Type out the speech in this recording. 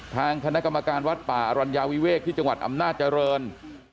ทางคณะกรรมการวัดป่าอรัญญาวิเวกที่จังหวัดอำนาจริง